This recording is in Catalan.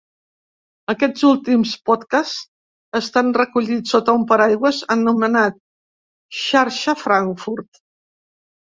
Aquests últims podcasts estan recollits sota un paraigües anomenat "Xarxa frankfurt".